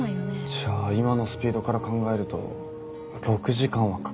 じゃあ今のスピードから考えると６時間はかかるね。